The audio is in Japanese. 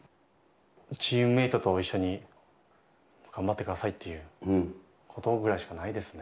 チームメートと一緒に頑張ってくださいっていうことぐらいしかないですね。